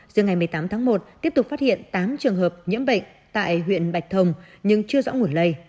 giữa ngày một mươi tám tháng một tiếp tục phát hiện tám trường hợp nhiễm bệnh tại huyện bạch thông nhưng chưa rõ nguồn lây